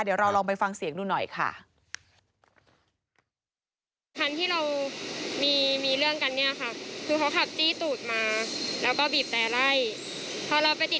เดี๋ยวเราลองไปฟังเสียงดูหน่อยค่ะ